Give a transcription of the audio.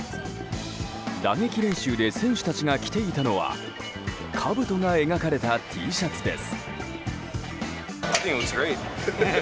打撃練習で選手たちが着ていたのはかぶとが描かれたＴシャツです。